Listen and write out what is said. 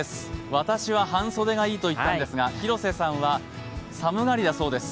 私は半袖がいいと言ったんですが、広瀬さんは寒がりなそうです。